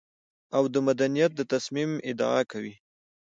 او د مدنيت د تصميم ادعا کوي.